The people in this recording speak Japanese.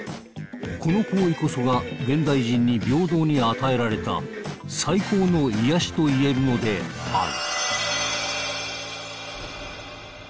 この行為こそが現代人に平等に与えられた最高の癒やしと言えるのである